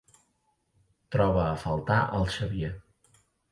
Troba a faltar el Xavier.